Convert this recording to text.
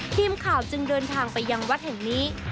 ทีมข่าวจึงเดินทางไปยังวัดแห่งนี้